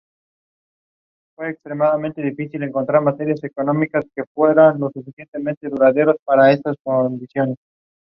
This resulted in Jean Amilcar being expelled from his school.